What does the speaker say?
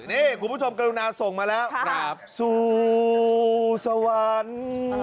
นี่คุณผู้ชมกรุณาส่งมาแล้วสู่สวรรค์